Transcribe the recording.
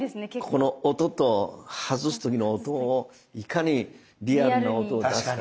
この音と外す時の音をいかにリアルな音を出すか。ね？